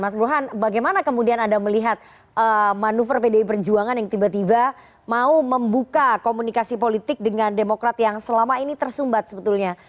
mas burhan bagaimana kemudian anda melihat manuver pdi perjuangan yang tiba tiba mau membuka komunikasi politik dengan demokrat yang selama ini tersumbat sebetulnya